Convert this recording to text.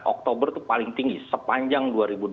oktober itu paling tinggi sepanjang dua ribu dua puluh